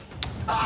あ！